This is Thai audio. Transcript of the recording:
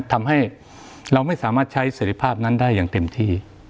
ทำให้เราไม่สามารถใช้เสร็จภาพนั้นได้อย่างเต็มที่